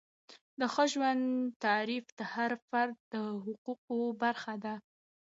د ښه ژوند تعریف د هر فرد د حقوقو برخه ده.